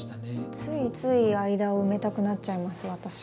ついつい間を埋めたくなっちゃいます私は。